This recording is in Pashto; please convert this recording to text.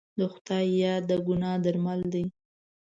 د خدای یاد د ګناه درمل دی.